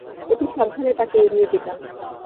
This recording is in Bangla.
অতি সাবধানে তাকে এড়িয়ে যেতম।